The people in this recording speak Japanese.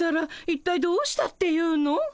一体どうしたっていうの？